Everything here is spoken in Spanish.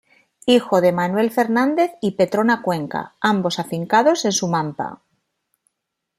Hijo de Manuel Fernández y Petrona Cuenca, ambos afincados en Sumampa.